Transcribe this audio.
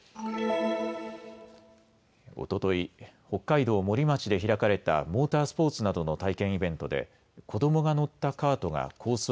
おととい、北海道森町で開かれたモータースポーツなどの体験イベントで子どもが乗ったカートがコース